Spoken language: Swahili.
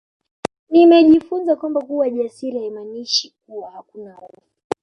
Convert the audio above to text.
Nimejifunza kwamba kuwa jasiri haimaanishi kuwa hakuna hofu